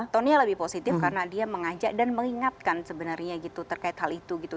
tony lebih positif karena dia mengajak dan mengingatkan sebenarnya gitu terkait hal itu gitu